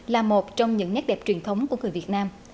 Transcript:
là một trong những nét đẹp truyền thống của người việt nam